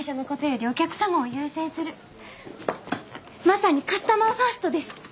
まさにカスタマーファーストです！